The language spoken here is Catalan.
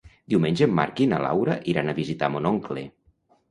Diumenge en Marc i na Laura iran a visitar mon oncle.